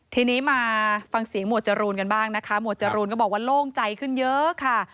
ทีนี้มาฟังเสียงหมวดจรูนกันบ้างนะคะหมวดจรูนก็บอกว่าโล่งใจขึ้นเยอะค่ะ